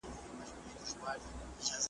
چي ناحقه پردي جنگ ته ورگډېږي .